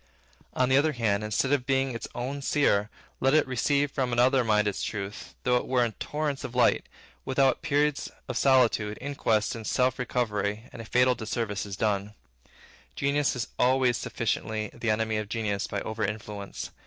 On the other part, instead of being its own seer, let it receive from another mind its truth, though it were in torrents of light, without periods of solitude, inquest, and self recovery, and a fatal disservice is done. Genius is always sufficiently the enemy of genius by over influence.